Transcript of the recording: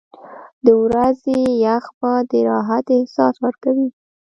• د ورځې یخ باد د راحت احساس ورکوي.